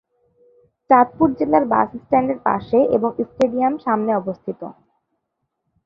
চাঁদপুর জেলার bus stand এর পাসে এবং স্টেডিয়াম সামনে অবস্থিত।